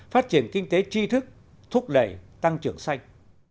phát triển kinh tế tri thức thúc đẩy tăng trưởng xanh